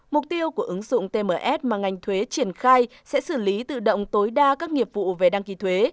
mục tiêu của ứng dụng tms mà ngành thuế triển khai sẽ xử lý tự động tối đa các nghiệp vụ về đăng ký thuế